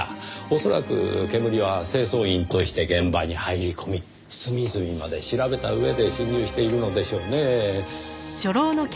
恐らくけむりは清掃員として現場に入り込み隅々まで調べた上で侵入しているのでしょうねぇ。